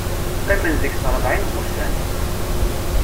Qqimen deg-s ṛebɛin n wussan.